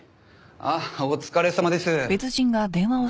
ああお疲れさまです。